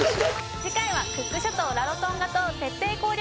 次回はクック諸島ラロトンガ島徹底攻略